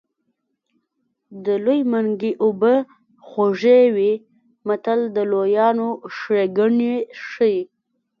د لوی منګي اوبه خوږې وي متل د لویانو ښېګڼې ښيي